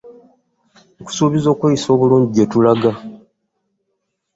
Nkusubiza okweyisa obulungi gyetulaga.